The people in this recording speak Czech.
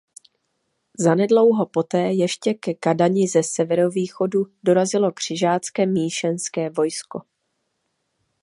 Zanedlouho poté ještě ke Kadani ze severovýchodu dorazilo křižácké míšeňské vojsko.